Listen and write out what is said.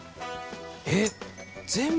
えっ！